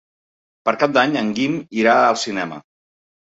Per Cap d'Any en Guim irà al cinema.